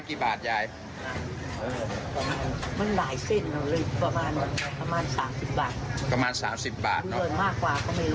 คุณยายไม่ได้เอาไฟหมดเลยค่ะ